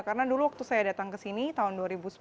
karena dulu waktu saya datang ke sini tahun dua ribu sepuluh